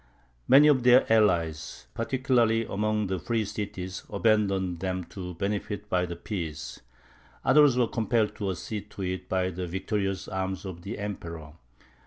Many of their allies, particularly among the free cities, abandoned them to benefit by the peace; others were compelled to accede to it by the victorious arms of the Emperor.